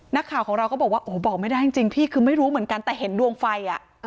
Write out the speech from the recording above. นักข่าวของเราก็บอกว่าโอ้บอกไม่ได้จริงพี่คือไม่รู้เหมือนกันแต่เห็นดวงไฟอ่ะ